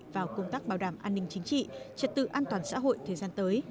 vào công tác bảo đảm an ninh chính trị trật tự an toàn xã hội thời gian tới